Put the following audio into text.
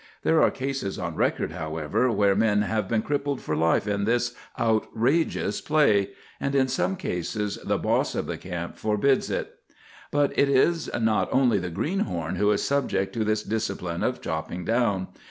There are cases on record, however, where men have been crippled for life in this outrageous play; and in some cases the 'boss' of the camp forbids it. "But it is not only the greenhorn who is subject to this discipline of chopping down.